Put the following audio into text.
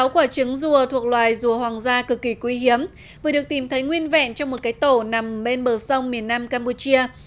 sáu quả trứng rùa thuộc loài rùa hoàng gia cực kỳ quý hiếm vừa được tìm thấy nguyên vẹn trong một cái tổ nằm bên bờ sông miền nam campuchia